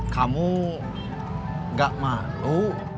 kamu enggak malu